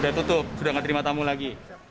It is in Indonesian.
udah tutup sudah gak terima tamu lagi